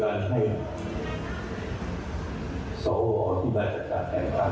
ทั้งนี้ทั้งนั้นทั้งนั้นผมก็มีเพื่อนที่เป็นศวอยู่หลายท่าน